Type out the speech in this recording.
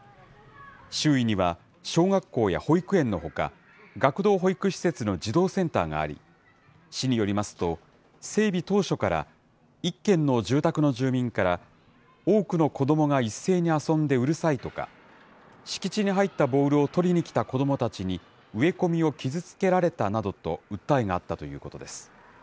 周囲には、小学校や保育園のほか、学童保育施設の児童センターがあり、市によりますと、整備当初から、１軒の住宅の住民から、多くの子どもが一斉に遊んでうるさいとか、敷地に入ったボールを取りに来た子どもたちに植え込みを傷つけられたなどと、訴えがあったということです。